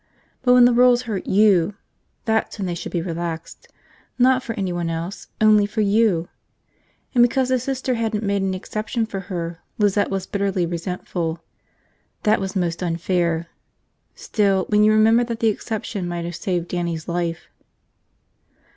But when the rules hurt you, that's when they should be relaxed. Not for anyone else, only for you. And because the Sister hadn't made an exception for her, Lizette was bitterly resentful. That was most unfair. Still, when you remembered that the exception might have saved Dannie's life